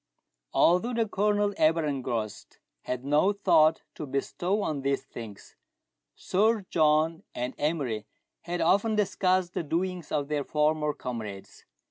Although the Colonel, ever engrossed, had no thought to bestow on these things, Sir John and Emery had often discussed the doings of their former comrades.